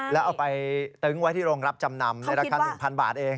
แล้วเอาไปตึ้งไว้ที่โรงรับจำนำในราคา๑๐๐บาทเอง